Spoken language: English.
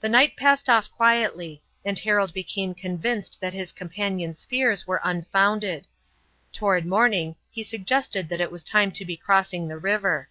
The night passed off quietly, and Harold became convinced that his companion's fears were unfounded. Toward morning he suggested that it was time to be crossing the river.